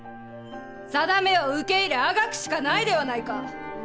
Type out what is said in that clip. さだめを受け入れあがくしかないではないか。